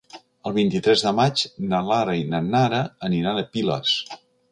El vint-i-tres de maig na Lara i na Nara aniran a Piles.